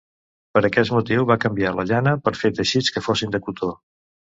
Per aquest motiu va canviar la llana per fer teixits que fossin de cotó.